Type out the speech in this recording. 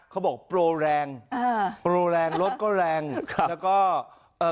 เขาบอกโปรแรงอ่าโปรแรงรถก็แรงครับแล้วก็เอ่อ